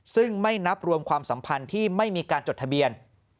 ซึ่งไม่นับรวมความสัมพันธ์ที่ไม่มีการจดทะเบียน